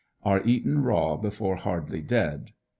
Are eaten raw before hardly dead.